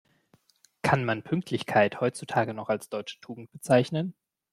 Kann man Pünktlichkeit heutzutage noch als deutsche Tugend bezeichnen?